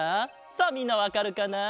さあみんなわかるかな？